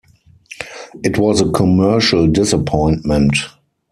It was a commercial disappointment.